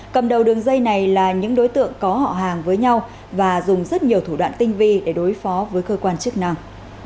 cầm đầu đường dây này là những đối tượng có họ hàng với nhau và dùng rất nhiều thủ đoạn tinh vi để đối phó với cơ quan chức năng